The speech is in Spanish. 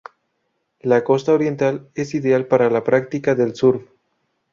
La costa oriental es ideal para la práctica del surf.